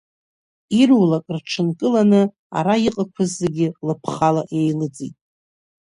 Ирулак, рҽынкыланы, ара иҟақәаз зегьы, лыԥхала иеилыҵит.